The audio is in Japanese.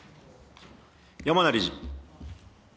山名理事。